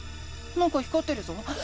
なんか光ってるぞ。